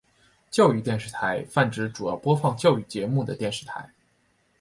教育电视台泛指主要播放教育节目的电视台。